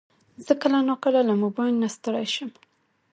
زه کله ناکله له موبایل نه ستړی شم.